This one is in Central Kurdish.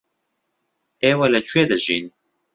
ئێوە لەکوێ دەژین؟